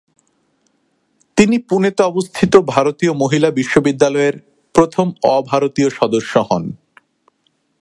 তিনি পুনেতে অবস্থিত ভারতীয় মহিলা বিশ্ববিদ্যালয়ের প্রথম অ-ভারতীয় সদস্য হন।